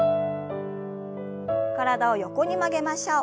体を横に曲げましょう。